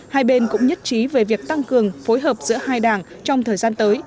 hai bên cũng nhất trí về việc tăng cường phối hợp giữa hai đảng trong thời gian tới